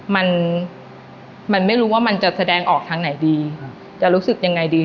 มันมันไม่รู้ว่ามันจะแสดงออกทางไหนดีจะรู้สึกยังไงดี